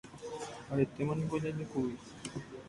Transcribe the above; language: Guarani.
Aretéma niko ajejokókuri.